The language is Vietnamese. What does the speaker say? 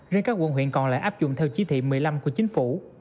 riêng các quận huyện còn lại áp dụng theo chỉ thị một mươi năm của chính phủ